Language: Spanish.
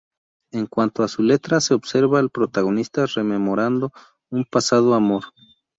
En cuanto a su letra, se observa al protagonista rememorando un pasado amor.